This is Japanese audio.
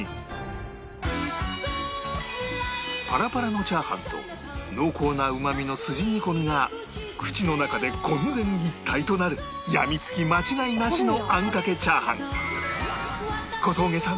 パラパラのチャーハンと濃厚なうまみのすじ煮込みが口の中で混然一体となるやみつき間違いなしのあんかけチャーハン